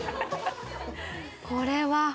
これは。